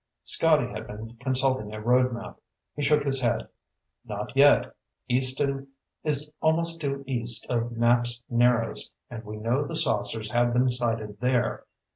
Scotty had been consulting a road map. He shook his head. "Not yet. Easton is almost due east of Knapps Narrows, and we know the saucers have been sighted there.